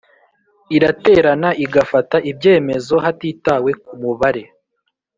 Iraterana igafata ibyemezo hatitawe ku mubare